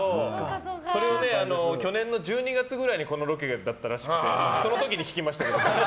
それを去年の１２月ぐらいにこのロケだったらしくてその時に聞きましたけど。